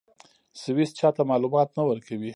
سویس چا ته معلومات نه ورکوي.